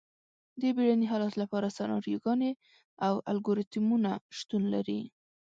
د بیړني حالت لپاره سناریوګانې او الګوریتمونه شتون لري.